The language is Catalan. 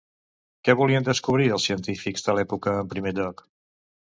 Què volien descobrir els científics de l'època en primer lloc?